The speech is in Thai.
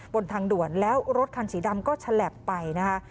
บนทางด่วนแล้วรถคันสีดำก็ฉลับไปนะคะ